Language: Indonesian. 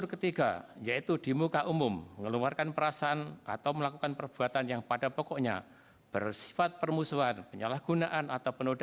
kepulauan seribu kepulauan seribu